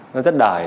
nó rất đời